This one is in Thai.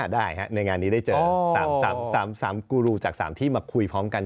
ได้ในงานนี้ได้เจอ๓กูรูจาก๓ที่มาคุยพร้อมกัน